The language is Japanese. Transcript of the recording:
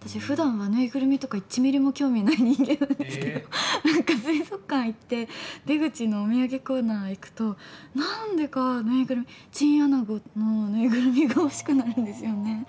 私、ふだんはぬいぐるみとか１ミリも興味ない人間なんですけど水族館いって出口のお土産コーナーいくとチンアナゴの縫いぐるみがほしくなるんですよね。